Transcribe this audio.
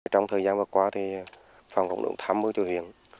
trong thời gian vừa qua phòng cộng đồng thám mưu chủ huyện